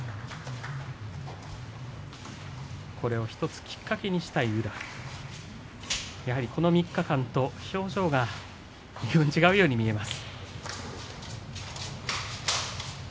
これを１つきっかけにしたい宇良ここ３日間と表情が違うように見えます。